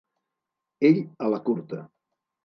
Ell a la curta.